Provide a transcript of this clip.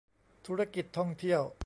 ธุรกิจท่องเที่ยว